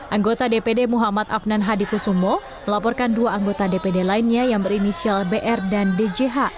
anggota dpd muhammad afnan hadi kusumo melaporkan dua anggota dpd lainnya yang berinisial br dan djh